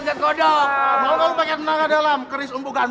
gak ada masalah samuel